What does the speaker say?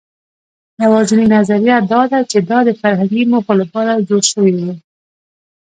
یواځینۍ نظریه دا ده، چې دا د فرهنګي موخو لپاره جوړ شوي وو.